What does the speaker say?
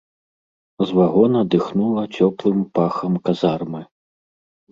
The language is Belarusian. З вагона дыхнула цёплым пахам казармы.